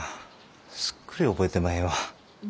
すっくり覚えてまへんわ。